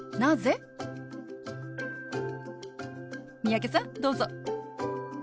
三宅さんどうぞ。